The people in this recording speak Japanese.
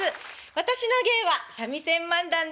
私の芸は三味線漫談です。